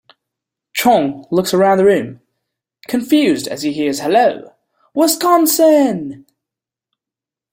Chong looks around the room, confused as he hears Hello, Wisconsin!